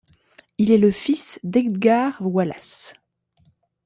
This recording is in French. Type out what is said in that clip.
Il est le fils d'Edgar Wallace.